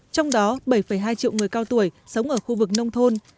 trong đó bảy hai triệu người cao tuổi sống ở khu vực nông thôn